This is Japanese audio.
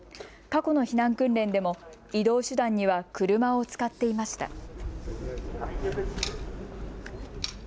過去の避難訓練でも移動手段には車を使っていました。